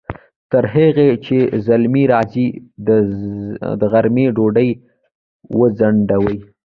تر هغې چې زلمی راځي، د غرمې ډوډۍ وځڼډوئ!